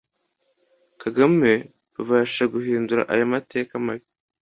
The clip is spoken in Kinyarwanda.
kagame babasha guhindura ayo mateka mabi